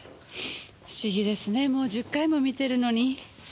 不思議ですねもう１０回も観てるのに。